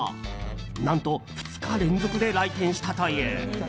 何と、２日連続で来店したという。